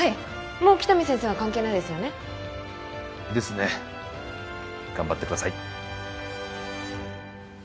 もう喜多見先生は関係ないですよねですね頑張ってください